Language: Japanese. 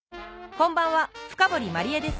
こんばんは深堀万里江です